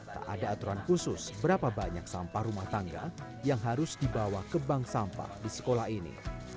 tak ada aturan khusus berapa banyak sampah rumah tangga yang harus dibawa ke bank sampah di sekolah ini